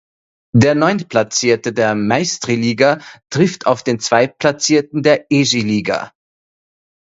Der Neuntplatzierte der Meistriliiga trifft auf den Zweitplatzierten der Esiliiga.